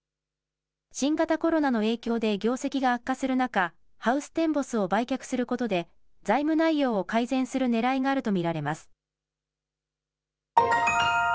新型コロナの影響で業績が悪化する中、ハウステンボスを売却することで財務内容を改善するねらいがあると見られます。